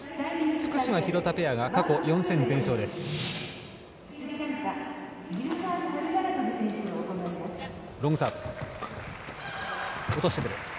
福島、廣田ペアが過去４戦全勝です。